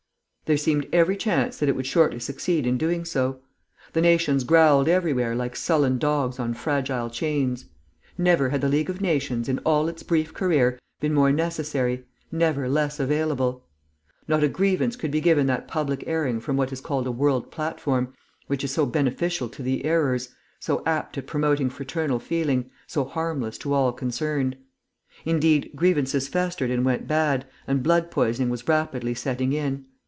There seemed every chance that it would shortly succeed in doing so. The nations growled everywhere like sullen dogs on fragile chains. Never had the League of Nations, in all its brief career, been more necessary, never less available. Not a grievance could be given that public airing from what is called a world platform, which is so beneficial to the airers, so apt at promoting fraternal feeling, so harmless to all concerned. Instead, grievances festered and went bad, and blood poisoning was rapidly setting in.